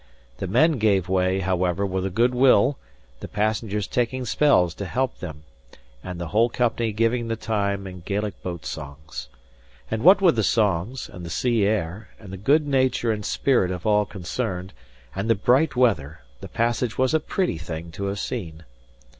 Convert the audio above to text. The men gave way, however, with a good will, the passengers taking spells to help them, and the whole company giving the time in Gaelic boat songs. And what with the songs, and the sea air, and the good nature and spirit of all concerned, and the bright weather, the passage was a pretty thing to have seen.